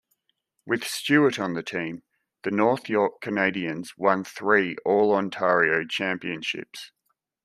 With Stewart on the team, the North York Canadians won three all-Ontario championships.